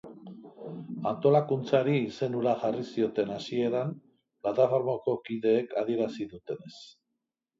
Antolakuntzari izen hura jarri zioten hasieran, plataformako kideek adierazi dutenez.